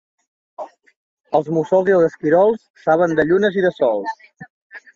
Els mussols i els esquirols saben de llunes i de sols.